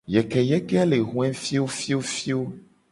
Yekeyeke a le hoe fiofiofio.